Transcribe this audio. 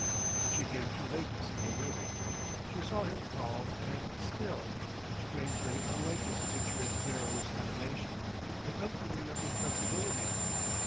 But she came too late to see him living. She saw him calm and still, strangely unlike his habitual garrulous animation, an unfamiliar inflexibility.